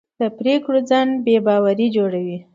د پرېکړو ځنډ بې باوري جوړوي